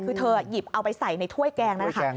คือเธอหยิบเอาไปใส่ในถ้วยแกงนั่นนะคะ